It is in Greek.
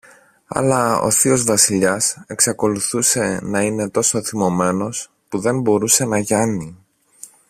Αλλά ο θείος Βασιλιάς εξακολουθούσε να είναι τόσο θυμωμένος, που δεν μπορούσε να γιάνει.